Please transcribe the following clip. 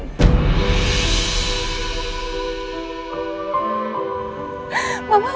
mama udah gak sayang sama aku